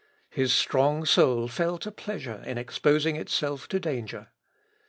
His strong soul felt a pleasure in exposing itself to danger.